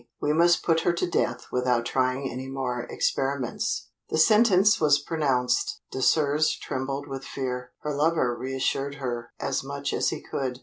"We must put her to death, without trying any more experiments." The sentence was pronounced. Désirs trembled with fear; her lover re assured her as much as he could.